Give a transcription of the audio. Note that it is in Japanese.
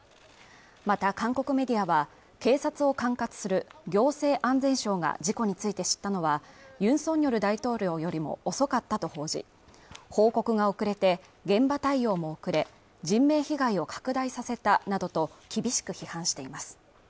また韓国メディアは警察を管轄する行政安全相が事故について知ったのはユン・ソンニョル大統領よりも遅かったと報じ報告が遅れて現場対応も遅れ人命被害を拡大させたなどと厳しく批判しています